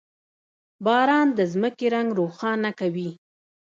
• باران د ځمکې رنګ روښانه کوي.